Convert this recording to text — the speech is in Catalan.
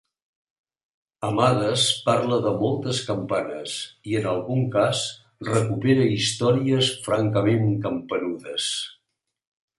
Amades parla de moltes campanes, i en algun cas recupera històries francament campanudes.